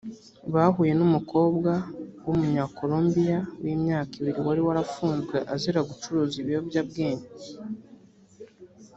bahuye n umukobwa w umunyakolombiya w imyaka ibiri wari warafunzwe azira gucuruza ibiyobyabwenge